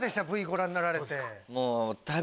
ＶＴＲご覧になられて。